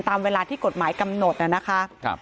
ตามเวลาที่กฎหมายกำหนดนะคะ